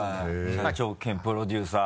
社長兼プロデューサー。